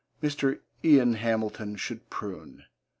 Mr. Ian Hamilton should prune.